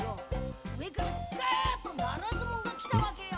上からがあっとならずもんが来たわけよ。